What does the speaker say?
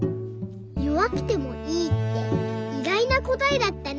「よわくてもいい」っていがいなこたえだったね。